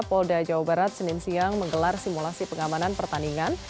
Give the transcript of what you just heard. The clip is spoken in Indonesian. polda jawa barat senin siang menggelar simulasi pengamanan pertandingan